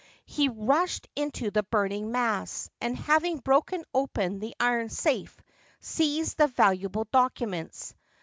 He rushed into the burning mass, and, having broken open the iron safe, seized the valuable documents.